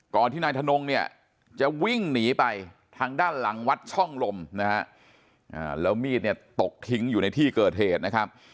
ที่นายทนงเนี่ยจะวิ่งหนีไปทางด้านหลังวัดช่องลมนะฮะแล้วมีดเนี่ยตกทิ้งอยู่ในที่เกิดเหตุนะครับ